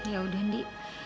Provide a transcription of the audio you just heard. ya udah indi